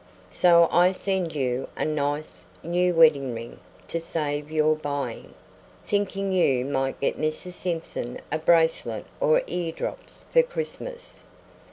So I send you a nice, new wedding ring to save your buying, thinking you might get Mrs. Simpson a bracelet or eardrops for Christmas.